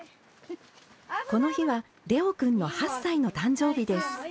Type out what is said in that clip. この日はレオくんの８歳の誕生日です。